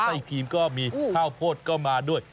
ไอครีมก็มีข้าวโพดก็มาด้วย